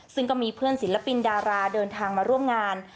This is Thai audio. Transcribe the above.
ซึ่งก็มีเพื่อนศิลปินดาราเดินทางมาร่วมงาน